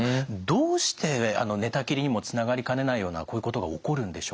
どうして寝たきりにもつながりかねないようなこういうことが起こるんでしょうか。